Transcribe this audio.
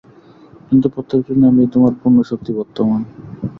কিন্তু প্রত্যেকটি নামেই তোমার পূর্ণশক্তি বর্তমান।